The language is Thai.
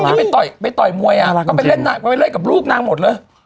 พวกนี้ไปต่อยมวยกับลูกนางหมดเลย